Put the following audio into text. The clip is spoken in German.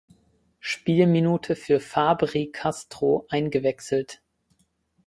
Spielminute für Fabry Castro eingewechselt.